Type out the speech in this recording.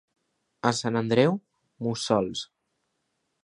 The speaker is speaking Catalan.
A Sant Andreu, mussols.